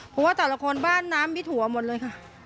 เพราะว่าแต่ละคนบ้านน้ำมิดหัวหมดเลยค่ะ